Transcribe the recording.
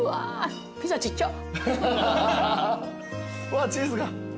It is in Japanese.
わチーズが。